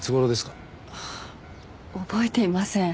ああ覚えていません。